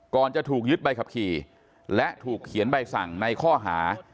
จะถูกยึดใบขับขี่และถูกเขียนใบสั่งในข้อหา